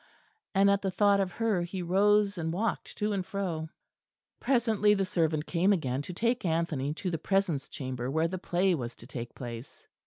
And at the thought of her he rose and walked to and fro. Presently the servant came again to take Anthony to the Presence Chamber, where the play was to take place.